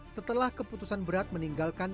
setelah keputusan berat meninggalkan